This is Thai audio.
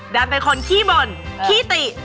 ดันเป็นคนขี้บ่นขี้ติ